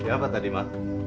siapa tadi ma